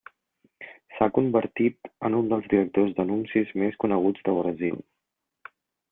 S'ha convertit en un dels directors d'anuncis més coneguts de Brasil.